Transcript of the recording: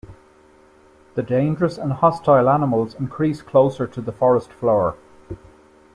The dangerous and hostile animals increase closer to the forest floor.